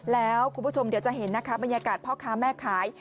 แล้วคุณผู้ชมเดี๋ยวจะเห็นนะคะบรรยากาศพ่อค้าแม่ขาย